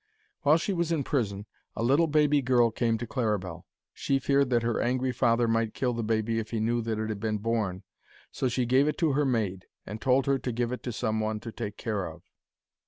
While she was in prison a little baby girl came to Claribel. She feared that her angry father might kill the baby if he knew that it had been born, so she gave it to her maid, and told her to give it to some one to take care of.